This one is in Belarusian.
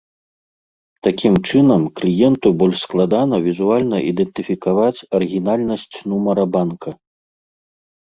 Такім чынам, кліенту больш складана візуальна ідэнтыфікаваць арыгінальнасць нумара банка.